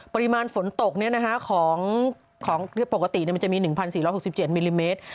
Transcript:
ปริมาณฝนตกของปกติมันจะมี๑๔๖๗มิลลิเมตร